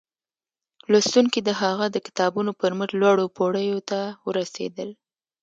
لوستونکي د هغه د کتابونو پر مټ لوړو پوړيو ته ورسېدل